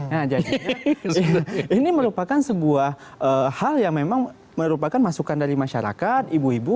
nah jadi ini merupakan sebuah hal yang memang merupakan masukan dari masyarakat ibu ibu